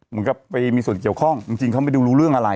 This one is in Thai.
มันก็ไปมีส่วนเกี่ยวข้องจริงเขาไปดูรู้เรื่องอะไร